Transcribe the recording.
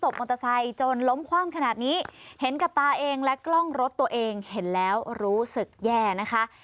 มอเตอร์ไซค์จนล้มคว่ำขนาดนี้เห็นกับตาเองและกล้องรถตัวเองเห็นแล้วรู้สึกแย่นะคะ